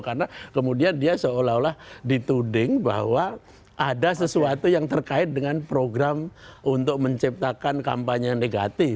karena kemudian dia seolah olah dituding bahwa ada sesuatu yang terkait dengan program untuk menciptakan kampanye negatif